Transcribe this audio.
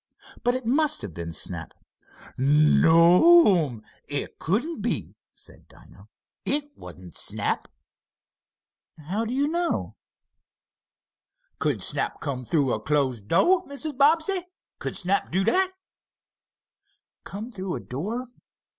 But it must have been Snap." "No'm, it couldn't be," said Dinah. "It wasn't Snap." "How do you know?" "Could Snap come through a closed do', Mrs. Bobbsey. Could Snap do that?" "Come through a door?